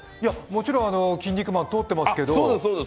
もちろん「キン肉マン」通ってますけど。